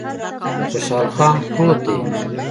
خوشحال خان پروت دی